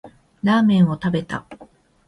ラーメンを食べた